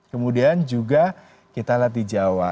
kemudian juga kita lihat di jawa